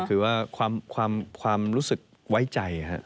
คือว่าความรู้สึกไว้ใจ